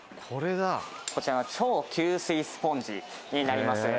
こちらの超吸水スポンジになります。